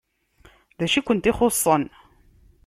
D acu i kent-ixuṣṣen?